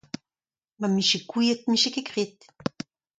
Ma ‘m bije gouiet n’em bije ket graet !